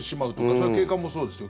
それは警官もそうですよ。